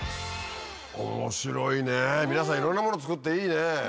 面白いね皆さんいろんなもの作っていいね。